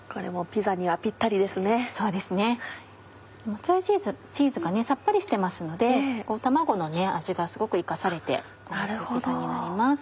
モッツァレラチーズがさっぱりしてますので卵の味がすごく生かされておいしい具材になります。